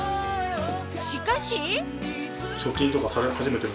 しかし？